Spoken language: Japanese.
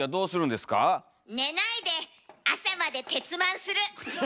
寝ないで朝まで徹マンする！